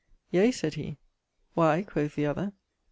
'Yea,' sayd he. 'Why?' quoth the other.